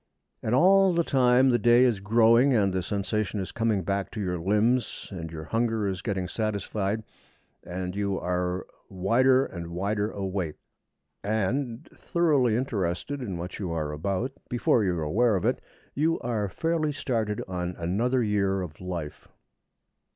And all the time the day is growing, and the sensation is coming back to your limbs, and your hunger is getting satisfied, and you are wider and wider awake. And, thoroughly interested in what you are about, before you are aware of it, you are fairly started on another year of life.